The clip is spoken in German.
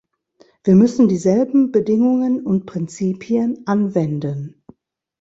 Wir müssen dieselben Bedingungen und Prinzipien anwenden.